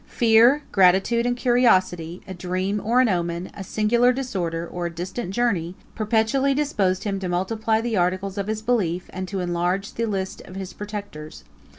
3 Fear, gratitude, and curiosity, a dream or an omen, a singular disorder, or a distant journey, perpetually disposed him to multiply the articles of his belief, and to enlarge the list of his protectors.